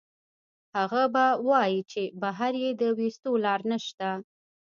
هغه به وائي چې بهر ئې د ويستو لار نشته